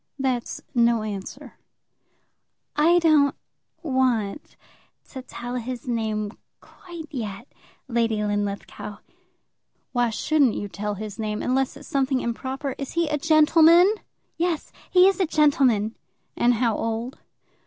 "That's no answer." "I don't want to tell his name quite yet, Lady Linlithgow." "Why shouldn't you tell his name, unless it's something improper? Is he a gentleman?" "Yes; he is a gentleman." "And how old?"